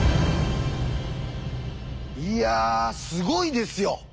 いやすごいですよ。